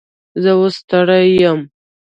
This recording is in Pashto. زه اوس ستړی یم